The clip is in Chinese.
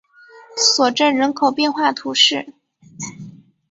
索镇人口变化图示